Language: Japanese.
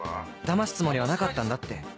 騙すつもりはなかったんだって！」。